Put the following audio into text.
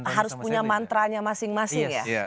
harus punya mantranya masing masing ya